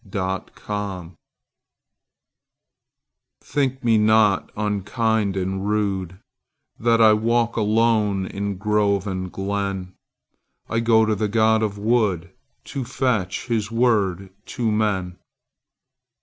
The Apology THINK me not unkind and rudeThat I walk alone in grove and glen;I go to the god of the woodTo fetch his word to men.